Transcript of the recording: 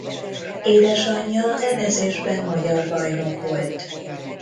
Édesanyja evezésben magyar bajnok volt.